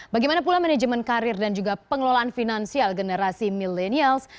bagaimana pula manajemen karir dan juga pengelolaan finansial generasi milenials